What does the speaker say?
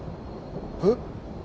えっ？